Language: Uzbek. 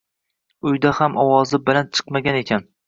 Uyda ham ovozi baland chiqmagan ekan.